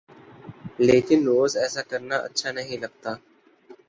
لیکن روز ایسا کرنا اچھا نہیں لگتا۔